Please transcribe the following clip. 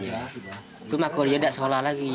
itu makanya dia sudah kalah sekolah lagi